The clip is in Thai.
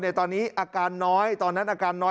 ตอนนี้อาการน้อยตอนนั้นอาการน้อย